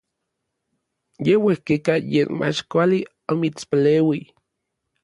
Ya uejkika yen mach kuali omitspaleuij.